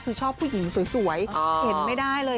คือชอบผู้หญิงสวยเห็นไม่ได้เลย